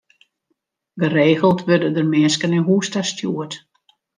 Geregeld wurde der minsken nei hûs ta stjoerd.